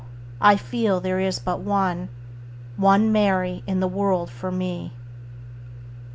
I feel there is but one, One Mary in the world for me.